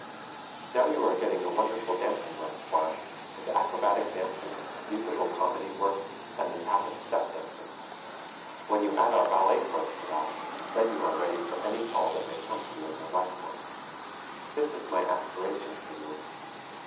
Now you are getting a wonderful dancing repertoire, with acrobatic dancing, musical comedy work and the tap and step dancing. When you add our ballet course to that, then you are ready for any call that may come to you in your lifetime. This is my aspiration for you.